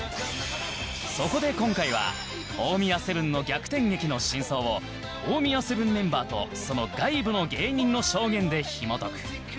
そこで今回は大宮セブンの逆転劇の真相を大宮セブンメンバーとその外部の芸人の証言でひも解く